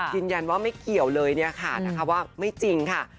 ยืนยันว่าไม่เกี่ยวเลยนะค่ะไม่จริงค่ะ